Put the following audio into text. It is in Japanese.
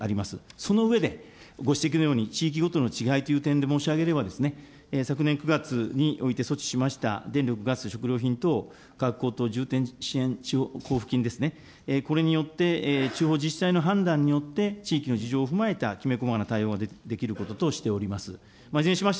その上で、ご指摘のように、地域ごとの違いという点で申し上げれば、昨年９月において措置しました、電力ガス食料品等じゅうてん地方交付金ですね、これによって、地方自治体の判断によって、地域の事情を踏まえたきめ細かな対応ができることとしております。